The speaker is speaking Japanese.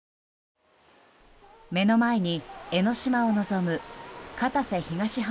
目の前に江の島を望む片瀬東浜